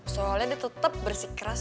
soalnya dia tetep bersikeras